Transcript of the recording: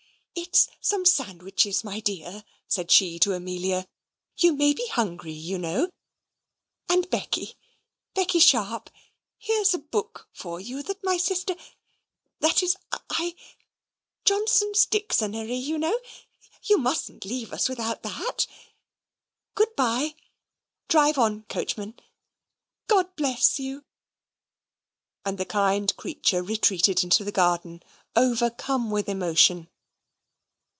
"It's some sandwiches, my dear," said she to Amelia. "You may be hungry, you know; and Becky, Becky Sharp, here's a book for you that my sister that is, I Johnson's Dixonary, you know; you mustn't leave us without that. Good by. Drive on, coachman. God bless you!" And the kind creature retreated into the garden, overcome with emotion.